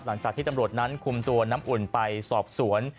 หลังจากที่ตำรวจนั้นคุมตัวน้ำอุ่นไปสอบสวน